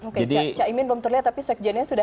oke cak imin belum terlihat tapi sekjennya sudah hadir ya